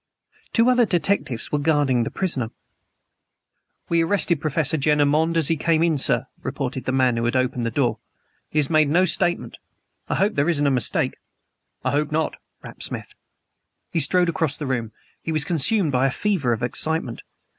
Two other detectives were guarding the prisoner. "We arrested Professor Jenner Monde as he came in, sir," reported the man who had opened the door. "He has made no statement. I hope there isn't a mistake." "I hope not," rapped Smith. He strode across the room. He was consumed by a fever of excitement.